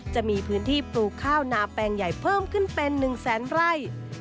จะมีพื้นที่ปลูกข้าวนาแปลงใหญ่เพิ่มขึ้นเป็น๑แสนไร่